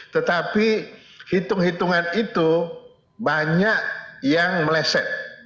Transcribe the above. tetapi hitung hitungan itu banyak yang meleset